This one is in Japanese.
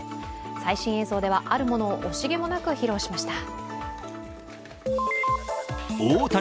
最新映像では、あるものを惜しげもなく披露しました。